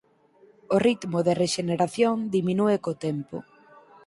O ritmo de rexeneración diminúe co tempo.